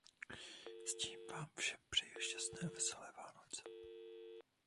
S tím vám všem přeji šťastné a veselé Vánoce!